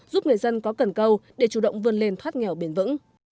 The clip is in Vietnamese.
giúp người dân có cần câu để chủ động vươn lên thoát nghèo bền vững